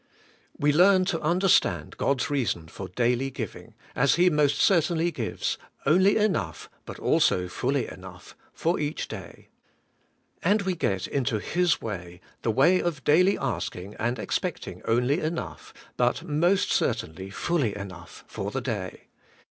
We learn to understand God's reason for daily giving, as He most certainly gives, only enough, but also fully enough, for each 8 114 ABIDE IN CHRIST: day. And we get into His way, the way of daily asking and expecting only enough, but most certainly fully enough, for the day.